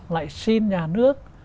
lại xin nhà nước